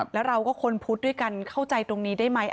แล้วเราก็คนพุทธด้วยกันเข้าใจตรงนี้ได้ไหม